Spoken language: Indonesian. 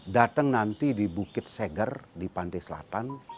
datang nanti di bukit seger di pantai selatan